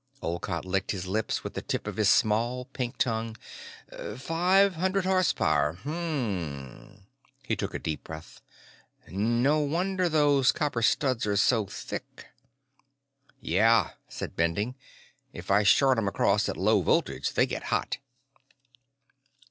Olcott licked his lips with the tip of his small, pink tongue. "Five hundred horsepower. Hm m m." He took a deep breath. "No wonder those copper studs are so thick." "Yeah," said Bending. "If I short 'em across at low voltage, they get hot."